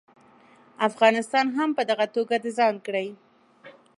افغانستان هم په دغه توګه د ځان کړي.